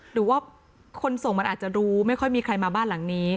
หรือว่าคนส่งมันอาจจะรู้ไม่ค่อยมีใครมาบ้านหลังนี้